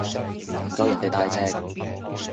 唔夠人哋大隻